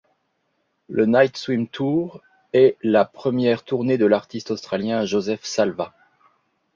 Le Night Swim Tour, est la première tournée de l'artiste australien Josef Salvat.